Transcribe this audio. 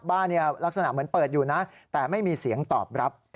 ลักษณะเหมือนเปิดอยู่นะแต่ไม่มีเสียงตอบรับ